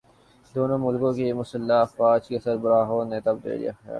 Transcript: دونوں ملکوں کی مسلح افواج کے سربراہوں نے تبادلہ خیال کیا ہے